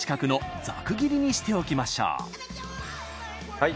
はい。